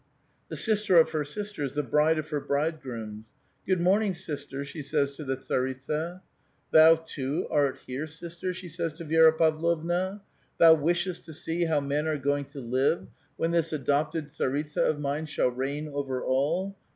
The sister of her sisters, the bride of her bridegrooms. "Good morning, sister," she says to the tsaritsa. "Thou, too, art here, sister?" she says to Vi^ra Pavlovna. *' Thou wishest to see how men are going to live when this adopted tsaritsa of mine shall reign over all.